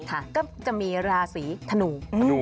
ค่ะก็จะมีราศรีธนู